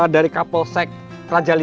dari kapolsek raja v